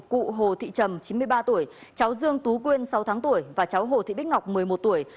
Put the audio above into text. cụ hồ thị trầm chín mươi ba tuổi cháu dương tú quyên sáu tháng tuổi và cháu hồ thị bích ngọc một mươi một tuổi